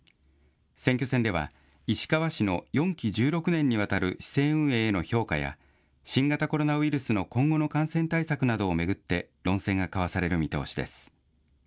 選挙戦では石川氏の４期１６年にわたる市政運営への評価や新型コロナウイルスの今後の感染対策などを巡って論戦が交わされる見通しです。